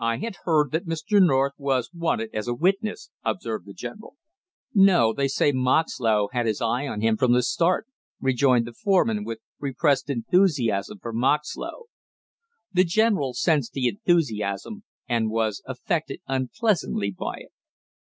"I had heard that Mr. North was wanted as a witness," observed the general. "No, they say Moxlow had his eye on him from the start!" rejoined the foreman with repressed enthusiasm for Moxlow. The general sensed the enthusiasm and was affected unpleasantly by it.